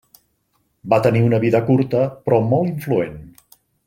Va tenir una vida curta, però molt influent.